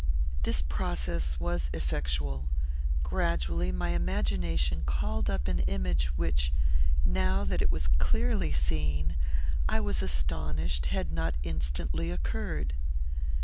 This process was effectual. Gradually my imagination called up an image which, now that it was clearly seen, I was astonished had not instantly occurred.